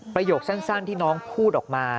ประโยคสั้นที่น้องพูดออกมา